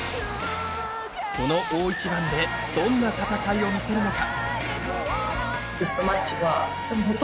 この大一番でどんな戦いを見せるのか。